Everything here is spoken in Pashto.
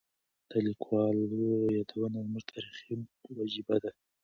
د لیکوالو یادونه زموږ تاریخي وجیبه ده.